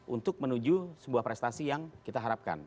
untuk menuju sebuah prestasi yang kita harapkan